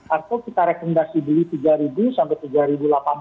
arto kita rekomendasi beli tiga ribu sampai tiga ribu delapan puluh